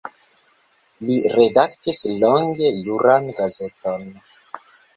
Li redaktis longe juran gazeton.